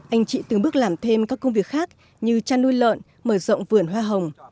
anh chị từng bước làm thêm các công việc khác như chăn nuôi lợn mở rộng vườn hoa hồng